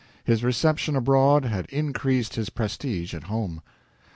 His reception abroad had increased his prestige at home.